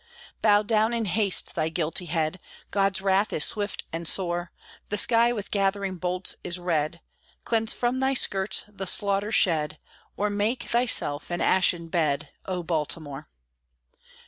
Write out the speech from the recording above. Bow down, in haste, thy guilty head! God's wrath is swift and sore: The sky with gathering bolts is red, Cleanse from thy skirts the slaughter shed, Or make thyself an ashen bed, O Baltimore!